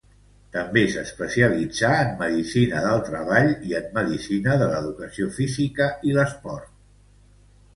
També s'especialitzà en medicina del treball i en medicina de l'educació física i l'esport.